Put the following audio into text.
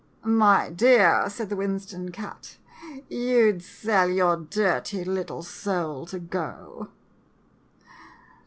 "My dear," said the Winston cat, " you 'd sell your dirty little soul to go